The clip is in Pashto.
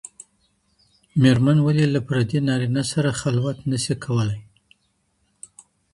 مېرمن ولي له پردي نارينه سره خلوت نسي کولای؟